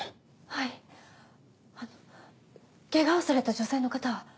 はいあのケガをされた女性の方は？